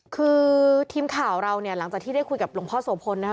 คือทีมข่าวเราเนี่ยหลังจากที่ได้คุยกับหลวงพ่อโสพลนะครับ